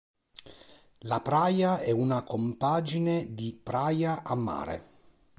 Il Praia è una compagine di Praia a Mare.